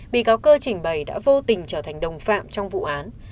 bị cáo cơ trình bày đã vô tình trở thành đồng phạm trong vụ án